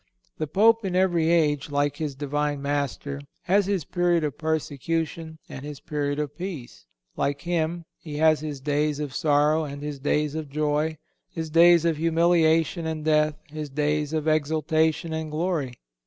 The Pope in every age, like his Divine Master, has his period of persecution and his period of peace. Like Him, he has his days of sorrow and his days of joy, his days of humiliation and death, his days of exaltation and glory.